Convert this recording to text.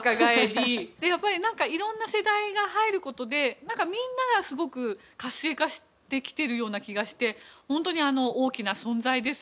やっぱり色んな世代が入る事でなんかみんながすごく活性化してきてるような気がして本当に大きな存在です。